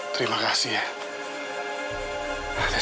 terima kasih ya